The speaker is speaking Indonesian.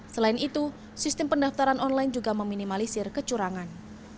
selain itu sistem pendaftaran online juga meminimalisir kecurangan